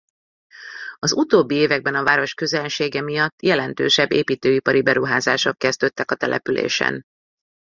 Az utóbbi években a város közelsége miatt jelentősebb építőipari beruházások kezdődtek a településen.